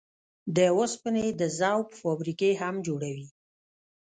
د اوسپنې د ذوب فابريکې هم جوړوي.